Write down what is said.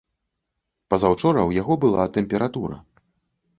Пазаўчора ў яго была тэмпература.